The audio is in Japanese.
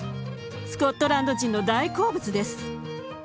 スコットランド人の大好物です。